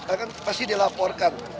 akan pasti dilaporkan